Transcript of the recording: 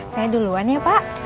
saya duluan ya pak